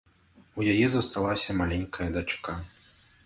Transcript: У яе засталася маленькая дачка.